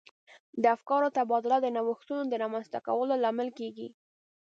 د افکارو تبادله د نوښتونو د رامنځته کولو لامل کیږي.